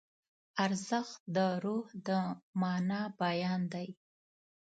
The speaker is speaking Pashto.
ارزښت د روح د مانا بیان دی.